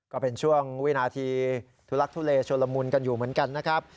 ก็เป็นช่วงวินาทีทุลักทุเลชุลมุนกันอยู่เหมือนกันนะครับ